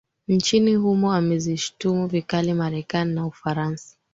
nchini humo amezishtumu vikali marekani na ufaransa